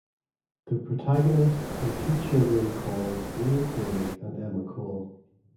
The protagonists are two children called Leo Craig and Emma Cole.